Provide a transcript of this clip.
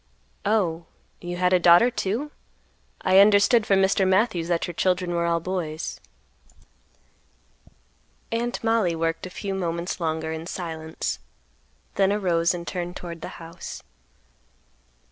"Oh, you had a daughter, too? I understood from Mr. Matthews that your children were all boys." Aunt Mollie worked a few moments longer in silence, then arose and turned toward the house.